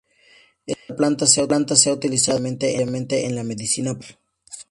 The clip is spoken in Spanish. Esta planta se ha utilizado ampliamente en la medicina popular.